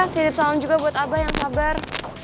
kirim salam juga buat abah yang sabar